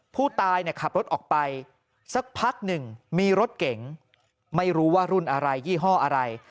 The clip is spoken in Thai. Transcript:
ผู้ตายขับรถออกไปสักพักหนึ่งมีรถเก๋งไม่รู้ว่ารุ่นอะไรยี่ห้ออะไร